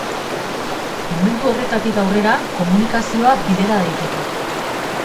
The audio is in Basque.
Momentu horretatik aurrera, komunikazioa bidera daiteke.